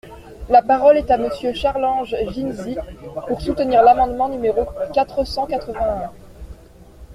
La parole est à Monsieur Charles-Ange Ginesy, pour soutenir l’amendement numéro quatre cent quatre-vingt-un.